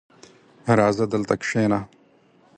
راځه دلته کښېنه!